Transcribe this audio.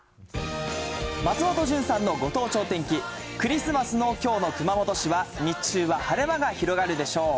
松本潤さんのご当地お天気、クリスマスのきょうの熊本市は、日中は晴れ間が広がるでしょう。